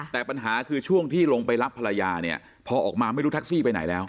แต่ปัญหาคือช่วงที่ลงไปรับภรรยาเนี่ยพอออกมาไม่รู้แท็กซี่ไปไหนแล้ว